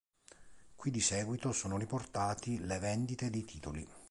Qui di seguito sono riportati le vendite dei titoli.